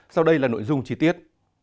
sau đây là nội dung chi tiết